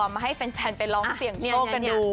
มาให้แฟนไปลองเสี่ยงโชคกันดู